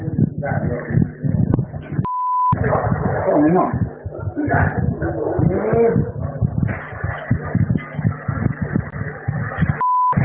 คุณว่าคุณมาจากไหนคุณคือใครคุณรู้จักคุณหรือเปล่า